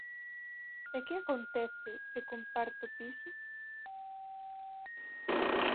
E que acontece se comparto piso?